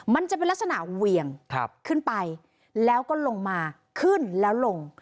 มันจะเป็นลักษณะเหวี่ยงขึ้นไปแล้วก็ลงมาขึ้นแล้วลง